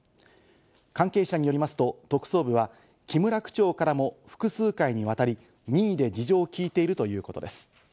関係者によりますと、特捜部は木村区長からも複数回にわたり、任意で事情を聞いているということです。